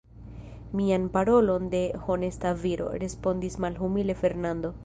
Mian parolon de honesta viro, respondis malhumile Fernando.